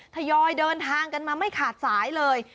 ทยอยเดินทางกันมาไม่ขาดสายเลย